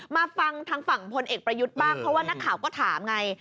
มาฟังทางฝั่งพลเอกประยุทธ์บ้างเพราะว่านักข่าวก็ถามไง